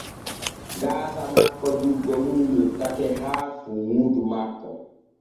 Gaasa makko juggo mum yottake haa funŋudu makko.